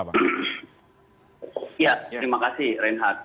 ya terima kasih reinhard